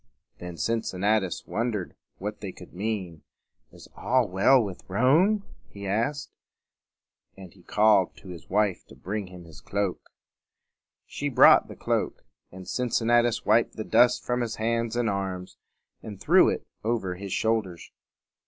Then Cincinnatus wondered what they could mean. "Is all well with Rome?" he asked; and he called to his wife to bring him his cloak. She brought the cloak; and Cincinnatus wiped the dust from his hands and arms, and threw it over his shoulders.